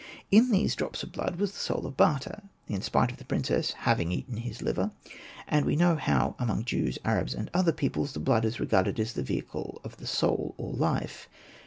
In these drops of blood was the soul of Bata, in spite of the princess having eaten his liver ; and we know how among Jews, Arabs, and other peoples, the blood is regarded as the vehicle of the soul or life.